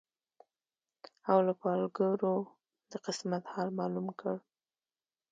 او له پالګرو د قسمت حال معلوم کړم